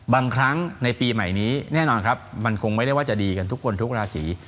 บางครั้งในปีใหม่นี้แน่นอนครับมันคงไม่ได้ว่าจะดีกันทุกคนทุกราศี